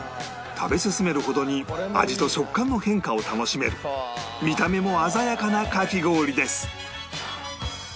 食べ進めるほどに味と食感の変化を楽しめる見た目も鮮やかなかき氷です